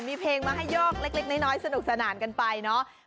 มีเพลงมาให้ยอกเล็กน้อยสนุกสนานกันไปเนาะ